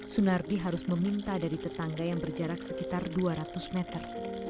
sunardi harus meminta dari tetangga yang berjarak sekitar dua ratus meter